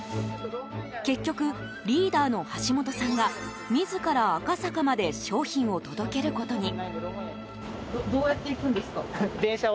結局、リーダーの橋本さんが自ら赤坂まで商品を届けることに。